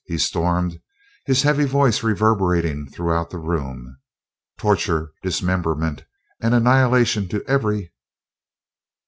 he stormed, his heavy voice reverberating throughout the room. "Torture, dismemberment and annihilation to every...."